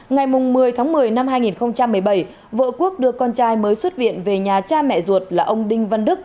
ngày một mươi tháng một mươi năm hai nghìn một mươi bảy vợ quốc đưa con trai mới xuất viện về nhà cha mẹ ruột là ông đinh văn đức